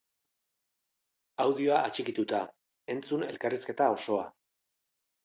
Audioa atxikituta, entzun elkarrizketa osoa!